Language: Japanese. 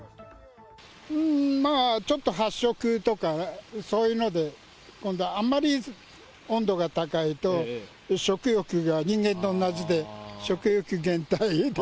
ちょっと発色とか、そういうので、今度あんまり温度が高いと、食欲が、人間と同じで食欲減退で。